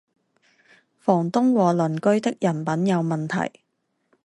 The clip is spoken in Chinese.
房东和邻居的人品有问题